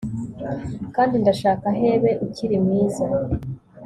kandi ndashaka hebe, ukiri mwiza